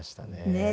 ねえ。